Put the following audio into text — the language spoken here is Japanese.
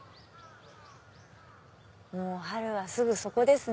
もう春はすぐそこですね。